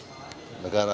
tiga menjaga keamanan negara